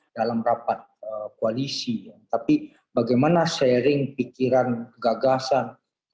dalam rapat koalisi tapi bagaimana sharing pikiran gagasan